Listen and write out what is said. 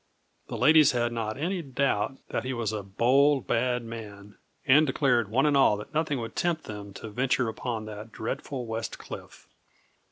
The ladies had not any doubt that he was a bold bad man, and declared one and all that nothing would tempt them to venture upon that dreadful West Cliff.